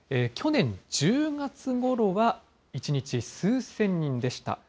去年１０月ごろは１日数千人でした。